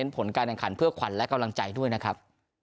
ผลการแข่งขันเพื่อขวัญและกำลังใจด้วยนะครับ